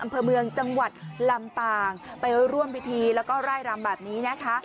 อำเภอเมืองจังหวัดลำปางไปร่วมพิธีแล้วก็ไล่รำแบบนี้นะคะ